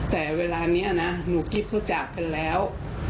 แต่เวลานี้นะหนูกิฟต์เขาจากกันแล้ว